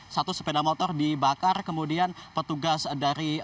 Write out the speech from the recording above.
satu sepeda motor dibakar kemudian petugas dari